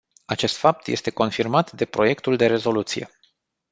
Acest fapt este confirmat de proiectul de rezoluție.